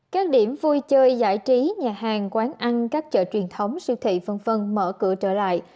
các điểm vui chơi giải trí nhà hàng quán ăn các chợ truyền thống siêu thị v v mở cửa trở lại